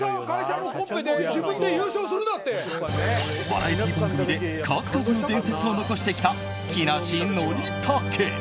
バラエティー番組で数々の伝説を残してきた木梨憲武。